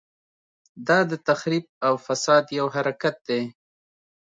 دا د تخریب او فساد یو حرکت دی.